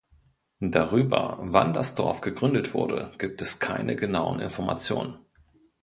Darüber, wann das Dorf gegründet wurde, gibt es keine genauen Informationen.